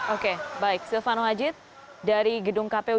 oke baik silvano hajid dari gedung kpu